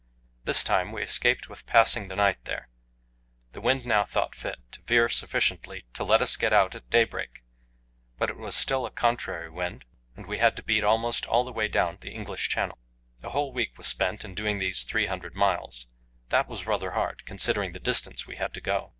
This time we escaped with passing the night there. The wind now thought fit to veer sufficiently to let us get out at daybreak, but it was still a contrary wind, and we had to beat almost all the way down the English Channel. A whole week was spent in doing these three hundred miles; that was rather hard, considering the distance we had to go.